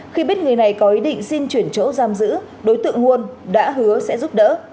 khi biết người này có ý định xin chuyển chỗ giam giữ đối tượng nguồn đã hứa sẽ giúp đỡ